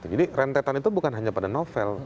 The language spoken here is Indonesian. jadi rentetan itu bukan hanya pada novel